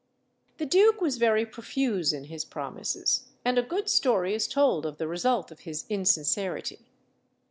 The duke was very profuse in his promises, and a good story is told of the result of his insincerity.